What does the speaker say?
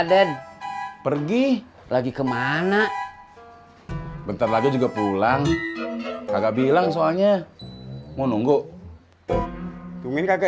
den pergi lagi kemana bentar lagi juga pulang kakak bilang soalnya mau nunggu cuman kakek